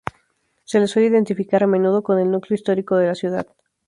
Se le suele identificar a menudo con el núcleo histórico de la ciudad.